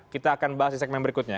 kita akan bahas di segmen berikutnya